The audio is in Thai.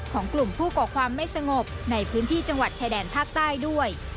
ของกลุ่มผู้ก่อความไม่สงบในพื้นที่จังหวัดชายแดนภาคใต้ด้วย